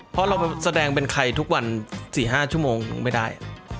เพราะเราแสดงเป็นใครทุกวัน๔๕ชั่วโมงไม่ได้